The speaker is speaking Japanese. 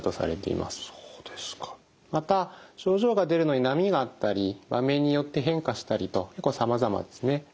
また症状が出るのに波があったり場面によって変化したりと結構さまざまですね。